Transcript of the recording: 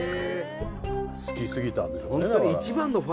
好きすぎたんでしょうねだから。